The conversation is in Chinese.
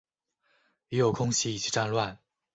也有空袭以及战乱